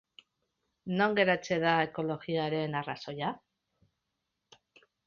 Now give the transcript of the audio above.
Non geratzen da ekologiaren arrazoia?